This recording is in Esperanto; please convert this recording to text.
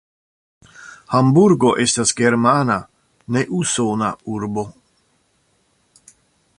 Hamburgo estas germana, ne usona urbo.